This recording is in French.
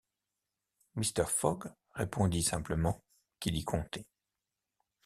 Mr. Fogg répondit simplement qu’il y comptait.